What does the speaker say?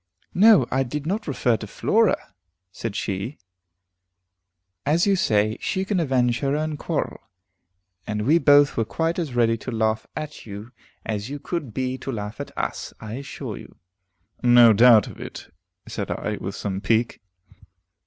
"No, I did not refer to Flora," said she. "As you say, she can avenge her own quarrel, and we both were quite as ready to laugh at you, as you could be to laugh at us, I assure you." "No doubt of it," said I, with some pique.